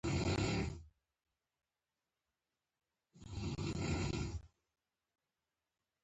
وروسته دغه افغانان هغه کابل ته راولي.